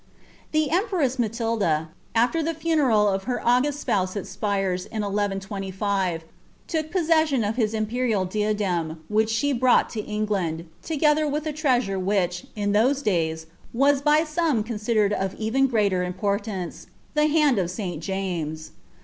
The empress 31atilda, after ilie funeral of her august spouse at Spires 1 13&, took possession of his imperial diadem, which she brought to : leland, together with a treasure which, in those days, was by soms ' .'usideivd of even greater importance — ilie hand of Si. James.